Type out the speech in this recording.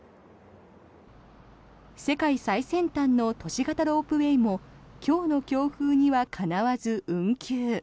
世界最先端の都市型ロープウェーも今日の強風にはかなわず運休。